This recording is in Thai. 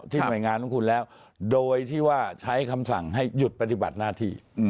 หน่วยงานของคุณแล้วโดยที่ว่าใช้คำสั่งให้หยุดปฏิบัติหน้าที่